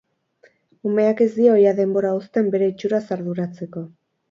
Umeak ez dio ia denbora uzten bere itxuraz arduratzeko.